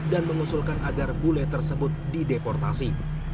dan mengusulkan agar bule tersebut dideportasi